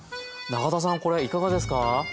永田さんこれいかがですか？